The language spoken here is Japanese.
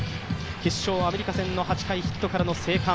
決勝、アメリカ戦８回ヒットからの生還。